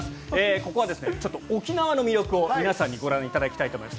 ここは、ちょっと沖縄の魅力を皆さんにご覧いただきたいと思います。